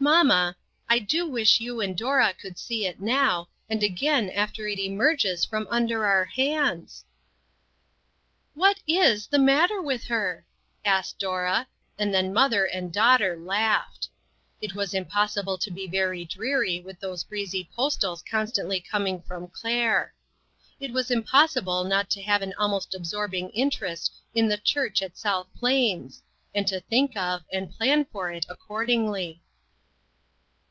Mamma, I do wish you and Dora could see it now, and again after it emerges from under our hands !"" What is the matter with her ?" asked Dora, and then mother and daughter laughed. It was impossible to be very dreary with those breezy postals constantly coming from Claire. It was impossible not to have an almost absorbing interest in the church at South Plains, and think of, and plan for it accordingly.